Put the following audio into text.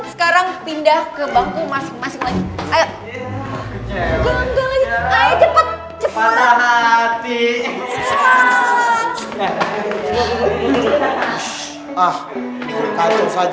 sekarang pindah ke bangku masing masing lagi